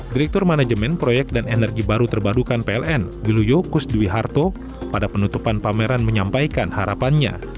direktur manajemen proyek dan energi baru terbarukan pln wiluyo kusdwiharto pada penutupan pameran menyampaikan harapannya